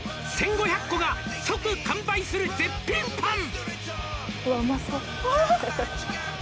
「１５００個が即完売する絶品パン」